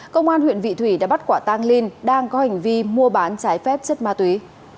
công an huyện vị thủy đã bắt quả tang linh đang có hành vi mua bán trái phép chất ma túy